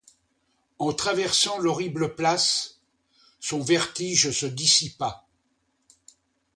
En traversant l'horrible place, son vertige se dissipa.